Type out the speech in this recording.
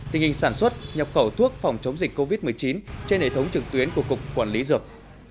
tình hình sản xuất nhập khẩu thuốc phòng chống dịch covid một mươi chín trên hệ thống trực tuyến của cục quản lý dược